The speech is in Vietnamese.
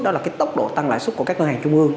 đó là tốc độ tăng lãi xuất của các ngân hàng chung ương